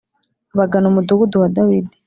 bagana umudugudu wa Dawidi